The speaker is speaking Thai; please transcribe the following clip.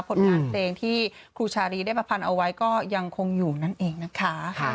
ผลงานเพลงที่ครูชารีได้ประพันธ์เอาไว้ก็ยังคงอยู่นั่นเองนะคะ